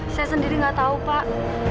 saya sendiri nggak tahu pak